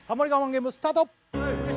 ゲームスタート